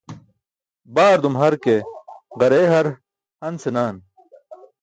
Baardum har ke ġareey har han senan.